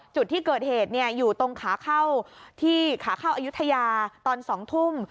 จุดที่เกิดเหตุอยู่ตรงขาเข้าที่ขาเข้าอายุทยาตอน๒ทุ่ม